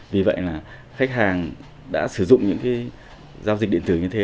vì vậy là khách hàng đã sử dụng những giao dịch điện tử như thế